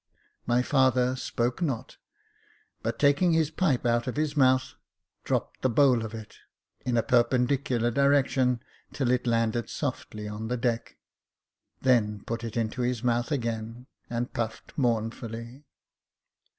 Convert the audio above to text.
My father spoke not, but taking his pipe out of his mouth, dropped the bowl of it in a perpendicular direction till it landed softly on the deck, then put it into his mouth again, and puffed mournfully.